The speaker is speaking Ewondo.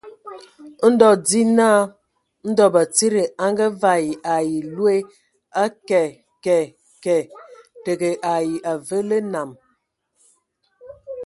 O ndzi naa ndɔ batsidi a ngavaɛ ai loe a kɛɛ kɛé kɛɛ, tǝgǝ ai avǝǝ lǝ nam.